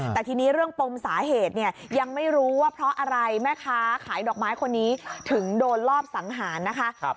แต่ทีนี้เรื่องปมสาเหตุเนี่ยยังไม่รู้ว่าเพราะอะไรแม่ค้าขายดอกไม้คนนี้ถึงโดนลอบสังหารนะคะ